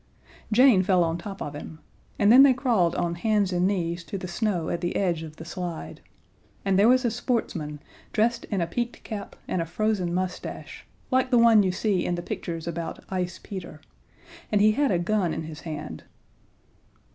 Jane fell on top of him and then they crawled on hands and knees to the snow at the edge of the slide and there was a sportsman, dressed in a peaked cap and a frozen moustache, like the one you see in the pictures about Ice Peter, and he had a gun in his hand.